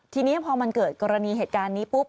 ทีนี้พอมันเกิดกรณีเหตุการณ์นี้ปุ๊บ